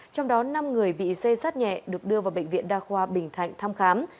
trong đó năm người bị xê sát nhẹ được đưa vào bệnh viện đa khoa bình thạnh thăm khám